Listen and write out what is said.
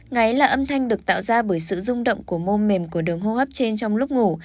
ngáy là âm thanh được tạo ra bởi sự rung động của mô mềm của đường hô hấp trên trong lúc ngủ